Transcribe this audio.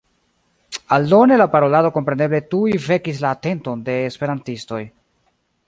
Aldone la parolado kompreneble tuj vekis la atenton de esperantistoj.